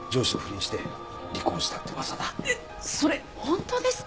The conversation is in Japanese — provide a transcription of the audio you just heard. それ本当ですか？